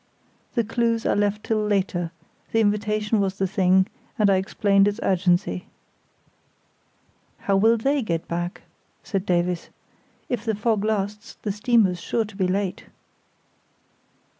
The clues I left till later; the invitation was the thing, and I explained its urgency. "How will they get back?" said Davies; "if the fog lasts the steamer's sure to be late."